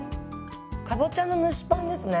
かぼちゃの蒸しパンですね。